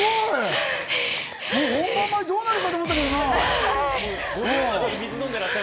本番前、どうなるかと思ったけどな。